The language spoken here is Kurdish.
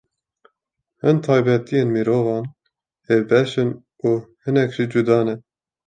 Hin taybetiyên mirovan hevbeş in û hinek jî cuda ne.